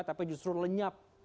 tapi justru lenyap